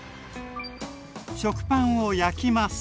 食パンを焼きます。